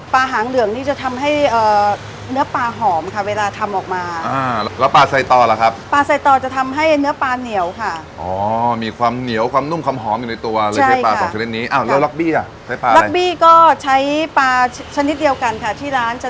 ปลาหางเหลืองนี่จะทำให้เนื้อปลาหอมค่ะ